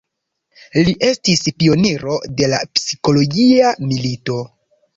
Li estis pioniro de la psikologia milito.